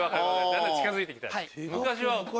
だんだん近づいてきた。